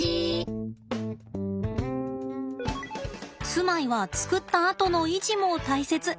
住まいは作ったあとの維持も大切。